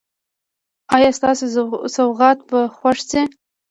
ایا ستاسو سوغات به خوښ شي؟